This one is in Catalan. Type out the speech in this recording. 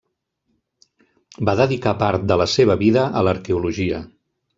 Va dedicar part de la seva vida a l'arqueologia.